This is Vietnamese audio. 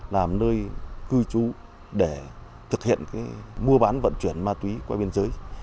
làm nơi cư trú để thực hiện mua bán vận chuyển ma túy qua biên giới